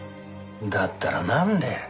だったらなんで。